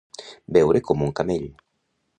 Beure com un camell.